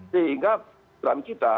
sehingga dalam kita